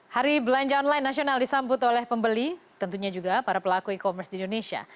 hari belanja online nasional disambut oleh pembeli tentunya juga para pelaku e commerce di indonesia